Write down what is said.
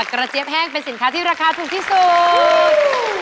เจี๊ยบแห้งเป็นสินค้าที่ราคาถูกที่สุด